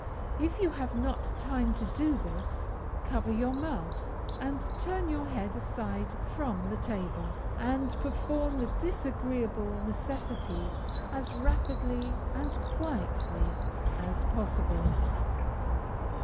If you have not time to do this, cover your mouth, and turn your head aside from the table, and perform the disagreeable necessity as rapidly and quietly as possible.